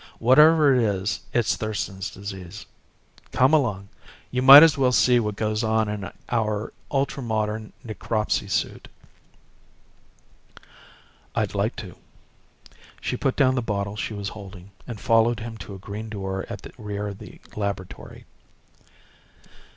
Whatever it is, it's Thurston's Disease. Come along. You might as well see what goes on in our ultra modern necropsy suite." "I'd like to." She put down the bottle she was holding and followed him to a green door at the rear of the laboratory.